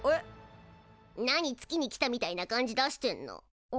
何月に来たみたいな感じ出してんの？